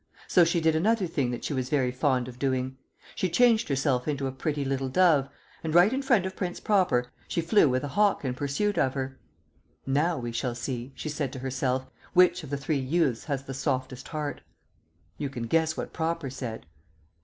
So she did another thing that she was very fond of doing. She changed herself into a pretty little dove and right in front of Prince Proper she flew with a hawk in pursuit of her. "Now we shall see," she said to herself, "which of the three youths has the softest heart." You can guess what Proper said.